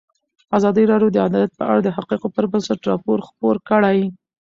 ازادي راډیو د عدالت په اړه د حقایقو پر بنسټ راپور خپور کړی.